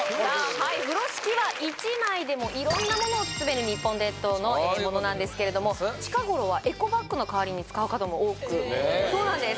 はい風呂敷は１枚でも色んなものを包める日本伝統のものなんですけれども近ごろはエコバッグの代わりに使う方も多くへえーそうなんです